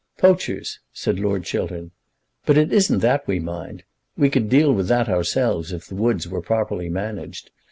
"Poachers!" said Lord Chiltern. "But it isn't that we mind. We could deal with that ourselves if the woods were properly managed.